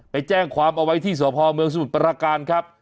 ไปแจ้งความเอาไว้ที่สพเมืองสมุทรประการครับ